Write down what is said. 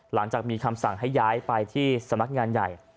หลังจากมีคำสั่งให้ย้ายไปที่สำนักงานใหญ่